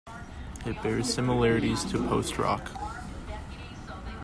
It bears similarities to post-rock.